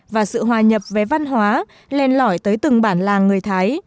và sự hòa nhập với văn hóa lên lõi tới từng bản làng người thái